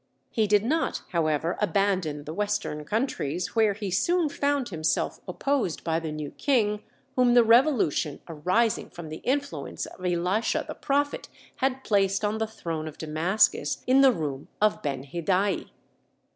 He did not, however, abandon the western countries, where he soon found himself opposed by the new King whom the revolution arising from the influence of Elisha the prophet had placed on the throne of Damascus in the room of Benhidai.